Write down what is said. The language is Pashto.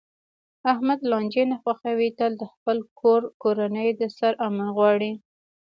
احمد لانجې نه خوښوي، تل د خپل کور کورنۍ د سر امن غواړي.